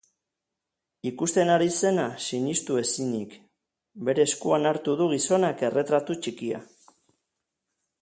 Ikusten ari zena sinistu ezinik, bere eskuan hartu du gizonak erretratu txikia.